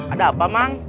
ada apa mang